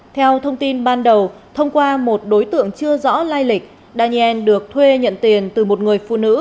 theo thông tin ban đầu thông qua một đối tượng chưa rõ lai lịch daniel được thuê nhận tiền từ một người phụ nữ